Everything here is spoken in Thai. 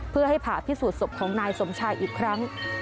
เพื่อให้ผ่าพิสูจนศพของนายสมชายอีกครั้ง